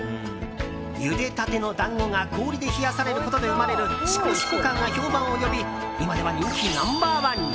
ゆでたての団子が氷で冷やされることで生まれるシコシコ感が評判を呼び今では人気ナンバー１に。